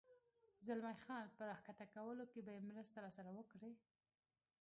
زلمی خان په را کښته کولو کې به یې مرسته راسره وکړې؟